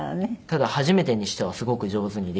ただ初めてにしてはすごく上手にできたかなと。